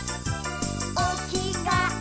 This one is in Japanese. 「おきがえ